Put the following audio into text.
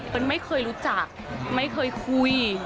เป็นไม่เคยรู้จักไม่เคยคุย